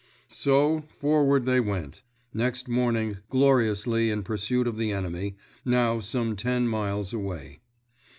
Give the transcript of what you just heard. _" So, forward they went, next morning, gloriously in pursuit of the enemy, now some ten miles away.